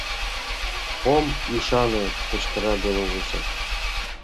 — Ом ӱшане! — кычкыра Белоусов.